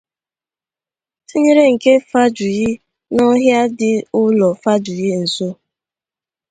tinyere nke Fajuyi n’ọhịa dị ụlọ Fajuyi nso